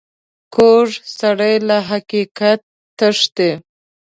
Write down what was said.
کوږ سړی له حقیقت تښتي